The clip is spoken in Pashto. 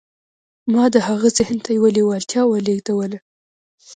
ما د هغه ذهن ته يوه لېوالتیا ولېږدوله.